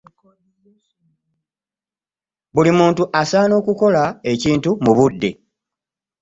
Buli muntu asaana okulola ekintu mu budde.